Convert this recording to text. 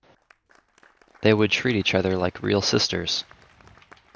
They would treat each other like real sisters.